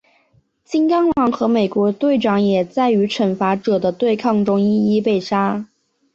金刚狼和美国队长也在与惩罚者的对抗中一一被杀。